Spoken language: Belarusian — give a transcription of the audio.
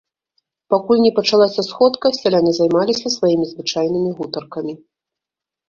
Пакуль не пачалася сходка, сяляне займаліся сваімі звычайнымі гутаркамі.